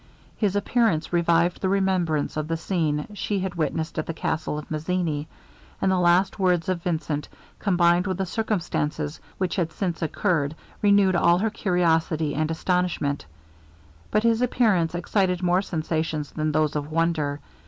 His appearance revived the remembrance of the scene she had witnessed at the castle of Mazzini; and the last words of Vincent, combined with the circumstances which had since occurred, renewed all her curiosity and astonishment. But his appearance excited more sensations than those of wonder.